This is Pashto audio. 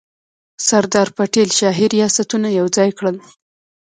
سردار پټیل شاهي ریاستونه یوځای کړل.